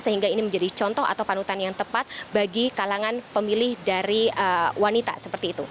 sehingga ini menjadi contoh atau panutan yang tepat bagi kalangan pemilih dari wanita seperti itu